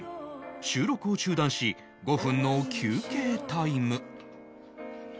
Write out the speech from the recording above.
収録を中断し５分の休憩タイム